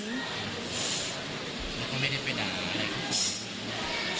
แล้วก็ไม่ได้ไปด่าอะไรค่ะ